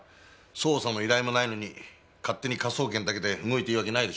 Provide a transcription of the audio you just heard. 捜査の依頼もないのに勝手に科捜研だけで動いていいわけないでしょ。